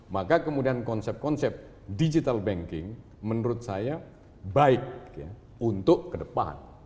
maka kemudian konsep konsep digital banking menurut saya baik untuk ke depan